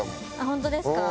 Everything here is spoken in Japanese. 本当ですか？